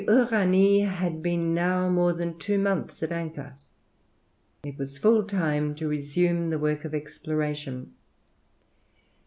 The Uranie had been now more than two months at anchor. It was full time to resume the work of exploration.